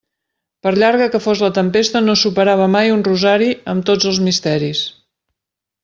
Per llarga que fos la tempesta no superava mai un rosari amb tots els misteris.